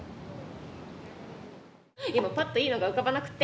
今パッといいのが浮かばなくって。